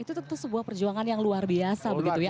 itu tentu sebuah perjuangan yang luar biasa begitu ya